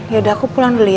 yaudah aku pulang dulu ya